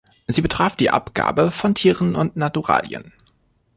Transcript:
Sie betraf die Abgabe von Tieren und Naturalien.